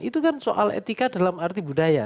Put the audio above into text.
itu kan soal etika dalam arti budaya